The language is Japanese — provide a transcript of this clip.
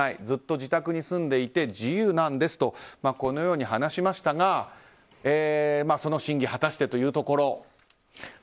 ずっと自宅に住んでいて自由なんですとこのように話しましたがその真偽、果たしてというところ。